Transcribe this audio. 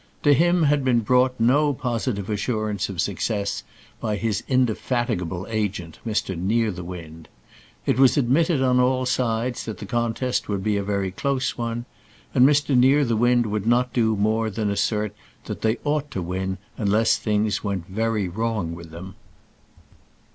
To him had been brought no positive assurance of success by his indefatigable agent, Mr Nearthewinde. It was admitted on all sides that the contest would be a very close one; and Mr Nearthewinde would not do more than assert that they ought to win unless things went very wrong with them.